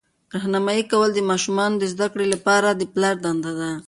راهنمایي کول د ماشومانو د زده کړې لپاره د پلار دنده ده.